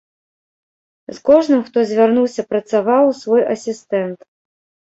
З кожным, хто звярнуўся, працаваў свой асістэнт.